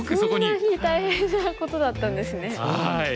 そんなに大変なことだったんですね。